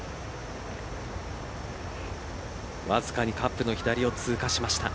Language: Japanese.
わずかにカップの左を通過しました。